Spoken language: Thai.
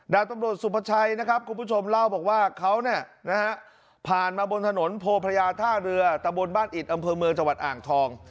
ดาบตำรวจสุภาชัยนะครับคุณผู้ชมเล่าบอกว่าเขาเนี่ยนะฮะผ่านมาบนถนนโพพระยาท่าเรือตะบนบ้านอิดอำเภอเมืองจังหวัดอ่างทอง